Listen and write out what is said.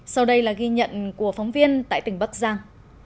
sau đây là ghi nhận của phóng viên tại tỉnh bắc giang